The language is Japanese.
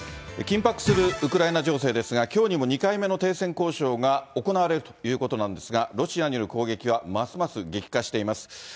緊迫するウクライナ情勢ですが、きょうにも２回目の停戦交渉が行われるということなんですが、ロシアによる攻撃はますます激化しています。